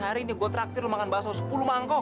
hari ini gue terakhir lo makan baso sepuluh mangkok